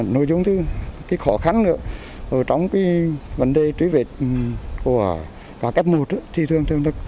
nội dung thứ cái khó khăn nữa ở trong cái vấn đề truy vết của cá cấp một thì thường thường là